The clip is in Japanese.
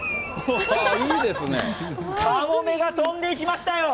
カモメが飛んでいきましたよ！